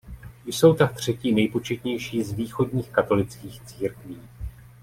Jsou tak třetí nejpočetnější z východních katolických církví.